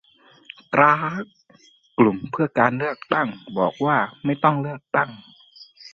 กร๊าก - กลุ่มเพื่อการเลือกตั้ง บอกว่าไม่ต้องเลือกตั้ง